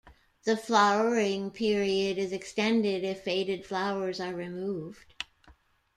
The flowering period is extended if faded flowers are removed.